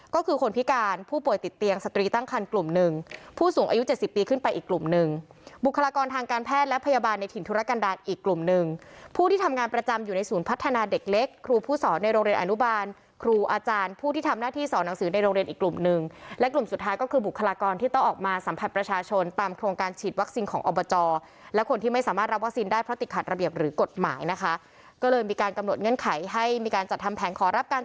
ก็คือคนพิการผู้ป่วยติดเตียงสตรีตั้งคันกลุ่มหนึ่งผู้สูงอายุ๗๐ปีขึ้นไปอีกกลุ่มหนึ่งบุคลากรทางการแพทย์และพยาบาลในถิ่นธุรกรรดาอีกกลุ่มหนึ่งผู้ที่ทำงานประจำอยู่ในศูนย์พัฒนาเด็กเล็กครูผู้สอนในโรงเรียนอนุบาลครูอาจารย์ผู้ที่ทำหน้าที่สอนหนังสือในโรงเรียนอีกกลุ่มหนึ่ง